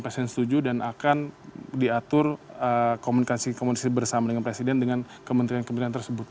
presiden setuju dan akan diatur komunikasi komunikasi bersama dengan presiden dengan kementerian kementerian tersebut